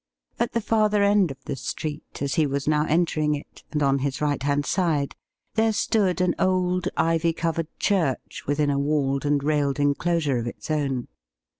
At the farther end of the street, as he was now entering it, and on his right hand side, there stood an old ivy covered church within a walled and railed enclosure of its own.